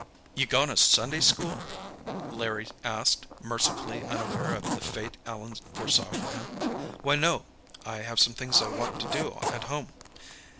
"You gonna Sunday school?" Larry asked, mercifully unaware of the fate Allan foresaw for him. "Why, no. I have some things I want to do at home."